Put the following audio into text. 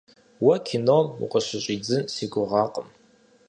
Уэ кином укъыщыщӏидзын си гугъакъым.